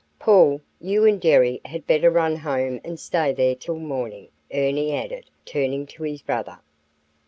"Paul, you and Jerry had better run home and stay there till morning," Ernie added, turning to his brother.